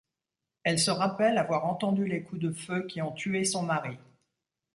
Elle se rappelle avoir entendu les coups de feu qui ont tué son mari.